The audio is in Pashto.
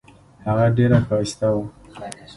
هغه ډیره ښایسته وه.